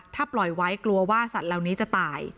ถ้าปล่อยไว้กลัวว่าสัตว์เหล่านี้จะตาย